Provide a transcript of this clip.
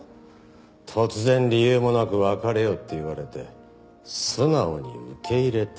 突然理由もなく別れようって言われて素直に受け入れた？